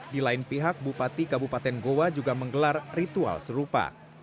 di lain pihak bupati kabupaten goa juga menggelar ritual serupa